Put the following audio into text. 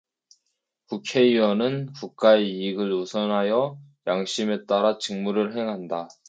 국회의원은 국가이익을 우선하여 양심에 따라 직무를 행한다.